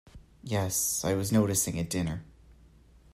Yes, I was noticing at dinner.